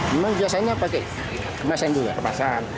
memang biasanya pakai kemasan juga kemasan